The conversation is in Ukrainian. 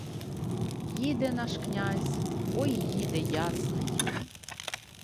Їде наш князь, ой їде ясний